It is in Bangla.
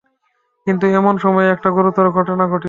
কিন্তু এমন সময়ে একটা গুরুতর ঘটনা ঘটিল।